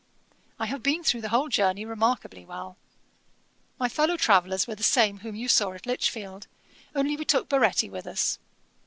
I have been through the whole journey remarkably well. My fellow travellers were the same whom you saw at Lichfield, only we took Baretti with us.